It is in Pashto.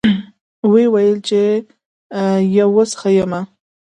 ويې ويل چې يه اوس ښه يمه.